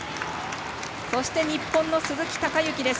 そして日本の鈴木孝幸です。